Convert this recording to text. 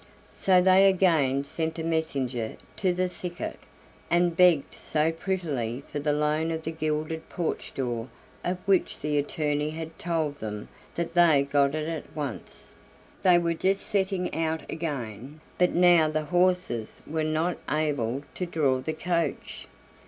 So they again sent a messenger to the thicket, and begged so prettily for the loan of the gilded porch door of which the attorney had told them that they got it at once. They were just setting out again, but now the horses were not able to draw the coach.